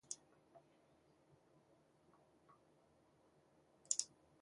Der skal benyttes mellemlægspapir mellem leverpostejsmadderne.